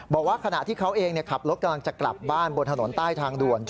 บอกว่าขณะที่เขาเองขับรถกำลังจะกลับบ้านบนถนนใต้ทางด่วน